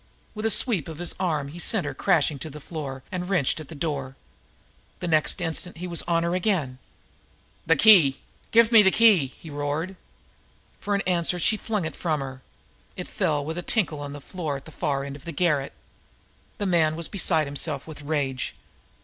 With a sweep of his arm he sent her crashing to the floor, and wrenched at the door. The next instant he was on her again. "The key! Give me that key!" he roared. For answer she flung it from her. It fell with a tinkle on the floor at the far end of the garret. The man was beside himself with rage.